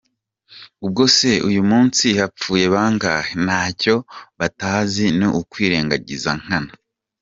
Ubwose uyu munsi hapfuye bangahe? Ntacyo batazi ni ukwirengagiza nkana.